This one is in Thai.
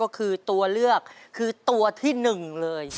ก็คือตัวเลือกคือตัวที่๑เลย